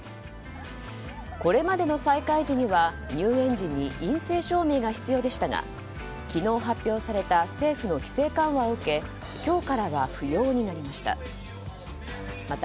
これまでの再開時には入園時に陰性証明が必要でしたが昨日、発表された政府の規制緩和を受け今日からは不要になりました。